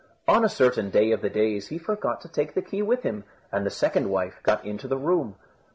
On a certain day of the days he forgot to take the key with him, and the second wife got into the room.